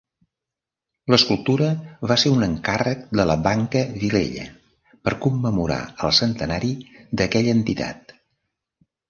L'escultura va ser un encàrrec de la Banca Vilella, per commemorar el centenari d'aquella entitat.